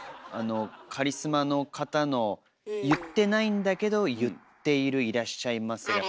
あのカリスマの方の言ってないんだけど言っている「いらっしゃいませ」